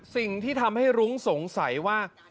สิ่งที่ทำให้รุ้งสงสัยว่า